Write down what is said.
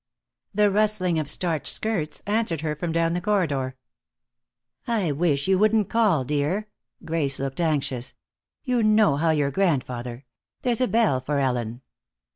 The rustling of starched skirts answered her from down the corridor. "I wish you wouldn't call, dear." Grace looked anxious. "You know how your grandfather there's a bell for Ellen."